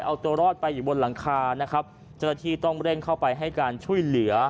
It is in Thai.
เอาตัวรอดไปอยู่บนหลังคานะครับเจ้าหน้าที่ต้องเร่งเข้าไปให้การช่วยเหลือ